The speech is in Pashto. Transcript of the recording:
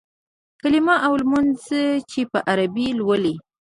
کلیمه او لمونځ چې په عربي لولې.